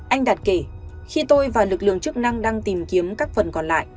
anh đạt kể khi tôi và lực lượng chức năng đang tìm kiếm các phần còn lại